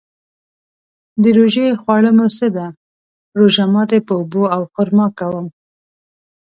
د روژې خواړه مو څه ده؟ روژه ماتی په اوبو او خرما کوم